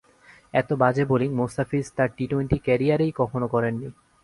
এত বাজে বোলিং মোস্তাফিজ তাঁর টি টোয়েন্টি ক্যারিয়ারেই কখনো করেননি।